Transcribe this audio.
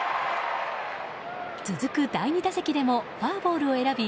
続く第２打席でもフォアボールを選び